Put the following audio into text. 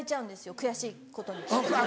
「悔しいことに」